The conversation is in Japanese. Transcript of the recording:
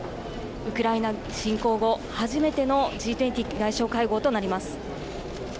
ウクライナ侵攻後、初めてのＧ２０外相会合となります。